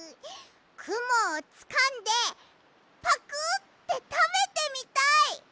くもをつかんでパクッてたべてみたい！